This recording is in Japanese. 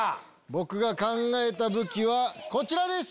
僕が考えた武器はこちらです！